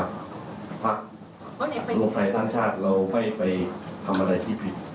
ถ้าภาคโรคไขต้านชาติเราให้ไปทำอะไรที่ผิด